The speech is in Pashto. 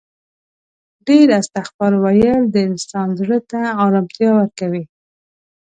ډیر استغفار ویل د انسان زړه ته آرامتیا ورکوي